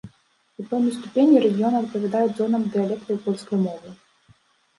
У пэўнай ступені, рэгіёны адпавядаюць зонам дыялектаў польскай мовы.